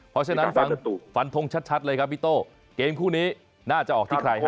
เพราะฉะนั้นฟังฟันทงชัดเลยครับพี่โต้เกมคู่นี้น่าจะออกที่ใครฮะ